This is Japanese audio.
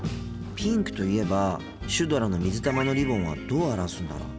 ピンクといえばシュドラの水玉のリボンはどう表すんだろう。